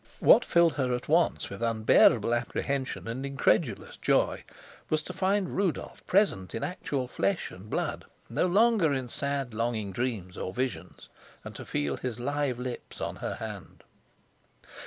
What filled her at once with unbearable apprehension and incredulous joy was to find Rudolf present in actual flesh and blood, no longer in sad longing dreams or visions, and to feel his live lips on her hand.